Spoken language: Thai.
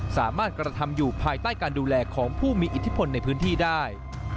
สามารถกระทำอยู่ภายใต้การดูแลของผู้มีอิทธิพลในพื้นที่ได้